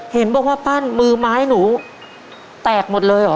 เห็นบอกว่าปั้นมือไม้หนูแตกหมดเลยเหรอ